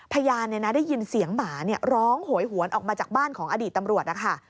พยานได้ยินเสียงหมาร้องโหยหวนออกมาจากบ้านของอดีตตำรวจนะคะ